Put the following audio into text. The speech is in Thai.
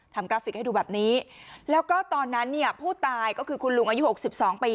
กราฟิกให้ดูแบบนี้แล้วก็ตอนนั้นเนี่ยผู้ตายก็คือคุณลุงอายุหกสิบสองปี